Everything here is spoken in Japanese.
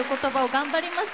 頑張ります。